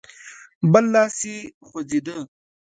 بل لاس يې خوځېده.